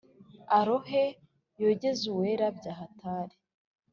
Arohe yogeze Uwera byahatari